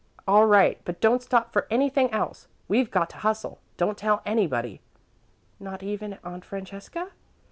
"All right, but don't stop for anything else. We've got to hustle. Don't tell anybody." "Not even Aunt Francesca?"